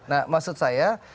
nah maksud saya